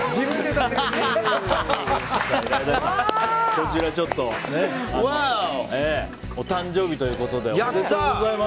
こちら、お誕生日ということでおめでとうございます。